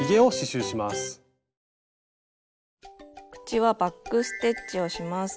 口はバック・ステッチをします。